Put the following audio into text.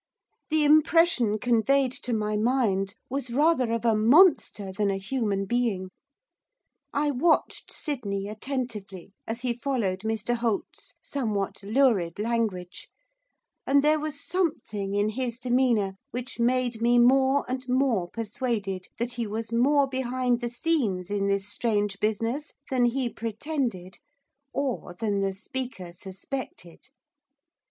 The impression conveyed to my mind was rather of a monster than a human being. I watched Sydney attentively as he followed Mr Holt's somewhat lurid language, and there was something in his demeanour which made me more and more persuaded that he was more behind the scenes in this strange business than he pretended, or than the speaker suspected.